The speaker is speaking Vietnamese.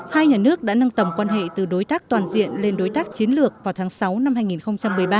hai nhà nước đã nâng tầm quan hệ từ đối tác toàn diện lên đối tác chiến lược vào tháng sáu năm hai nghìn một mươi ba